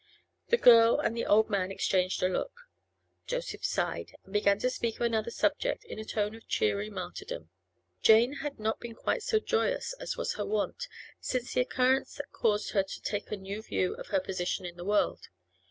The girl and the old man exchanged a look. Joseph sighed, and began to speak of another subject in a tone of cheery martyrdom. Jane herself had not been quite so joyous as was her wont since the occurrence that caused her to take a new view of her position in the world.